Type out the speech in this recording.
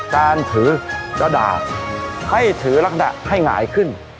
การถือกระดาษให้ถือลักษณะให้หงายขึ้น